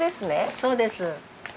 そうです。